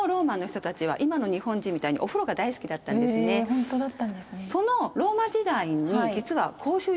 ホントだったんですね。